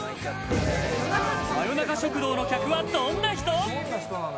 夜中食堂の客はどんな人？